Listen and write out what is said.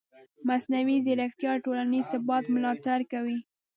مصنوعي ځیرکتیا د ټولنیز ثبات ملاتړ کوي.